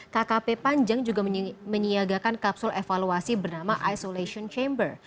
kkp panjang juga menyiagakan kapsul evaluasi bernama isolation chamber